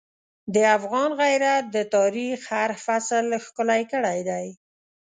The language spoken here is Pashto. د افغان غیرت د تاریخ هر فصل ښکلی کړی دی.